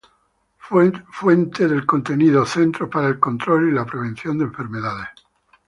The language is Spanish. Fuente del contenido: Centros para el Control y la Prevención de Enfermedades